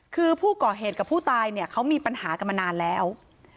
คือผู้ก่อเหตุกับผู้ตายเนี่ยเขามีปัญหากันมานานแล้ว